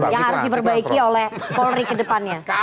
yang harus diperbaiki oleh polri ke depannya